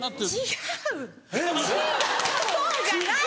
違うそうじゃない！